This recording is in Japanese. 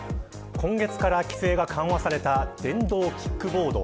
今月から規制が緩和された電動キックボード。